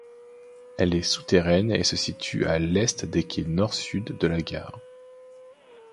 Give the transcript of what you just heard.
Elle est souterraine et se situe à l'est des quais nord-sud de la gare.